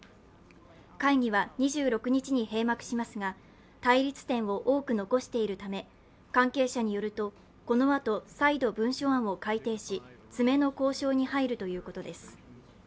会議は２６日に閉幕しますが対立点を多く残しているため関係者によると、このあと再度、文書案を改定し詰めの交渉に入るということです。